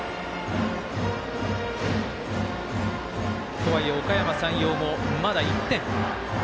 とはいえ、おかやま山陽もまだ１点。